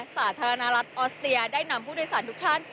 สาธารณรัฐออสเตียได้นำผู้โดยสารทุกท่าน